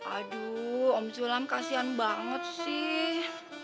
aduh om sulam kasihan banget sih